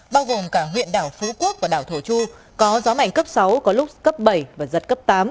bao gồm cả huyện đảo phú quốc và đảo thổ chu có gió mạnh cấp sáu có lúc cấp bảy và giật cấp tám